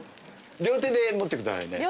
両手で持ってくださいね。